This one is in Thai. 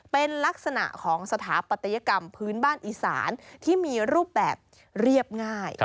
เป็นลักษณะของสถาปัตยกรรมพื้นบ้านอีสานที่มีรูปแบบเรียบง่าย